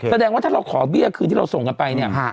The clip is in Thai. แสดงว่าถ้าเราขอเบี้ยคืนที่เราส่งกันไปเนี่ย